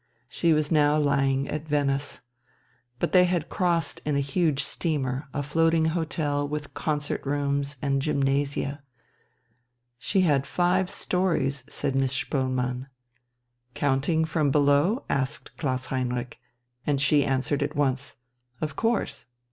She was now lying at Venice. But they had crossed in a huge steamer, a floating hotel with concert rooms and gymnasia. "She had five storeys," said Miss Spoelmann. "Counting from below?" asked Klaus Heinrich. And she answered at once: "Of course.